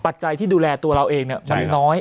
ปัจจัยที่ดูแลตัวเราเองเนี่ยมันน้อย